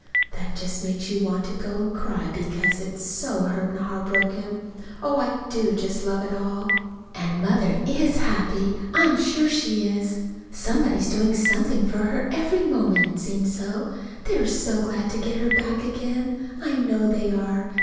that just makes you want to go and cry because it's so hurt and heart broken. Oh, I do just love it all! And Mother is happy. I'm sure she is. Somebody is doing something for her every moment seems so. They are so glad to get her back again. I know they are.